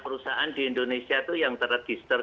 perusahaan di indonesia itu yang terregister